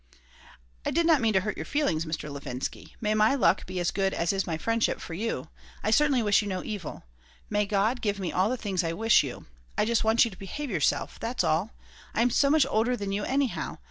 "I did not mean to hurt your feelings, Mr. Levinsky. May my luck be as good as is my friendship for you. I certainly wish you no evil. May God give me all the things I wish you. I just want you to behave yourself. That's all. I am so much older than you, anyhow.